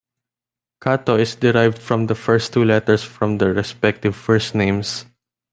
"Kato" is derived from the first two letters from their respective first names.